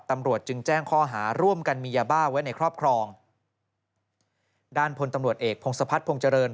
ตำรวจจึงแจ้งข้อหาร่วมกันมียาบ้าไว้ในครอบครองด้านพลตำรวจเอกพงศพัฒนภงเจริญ